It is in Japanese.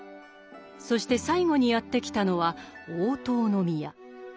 そして最後にやって来たのは大塔宮。